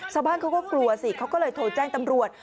ชาวบ้านเขาก็กลัวสิเขาก็เลยโทรแจ้งตำรวจ